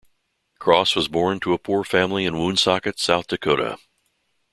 Cross was born to a poor family in Woonsocket, South Dakota.